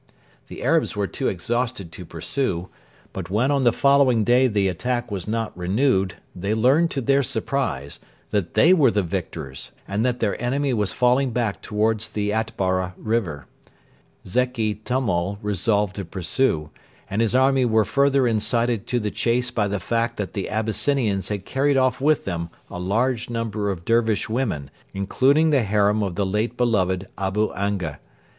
The Arabs were too exhausted to pursue, but when on the following day the attack was not renewed they learned, to their surprise, that they were the victors and that their enemy was falling back towards the Atbara river. Zeki Tummal resolved to pursue, and his army were further incited to the chase by the fact that the Abyssinians had carried off with them a large number of Dervish women, including the harem of the late beloved Abu Anga.